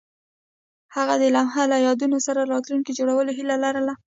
هغوی د لمحه له یادونو سره راتلونکی جوړولو هیله لرله.